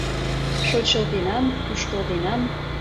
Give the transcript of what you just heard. Шочылденам-кушкылденам